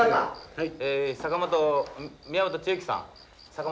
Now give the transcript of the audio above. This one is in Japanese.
はい。